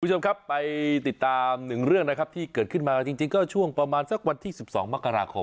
คุณผู้ชมครับไปติดตามหนึ่งเรื่องนะครับที่เกิดขึ้นมาจริงก็ช่วงประมาณสักวันที่๑๒มกราคม